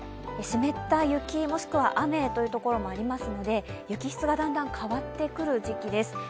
湿った雪、もしくは雨というところもありますので雪質がだんだん変わってくる時期です。